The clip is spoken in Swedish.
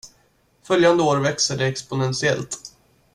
Följande år växer det exponentiellt.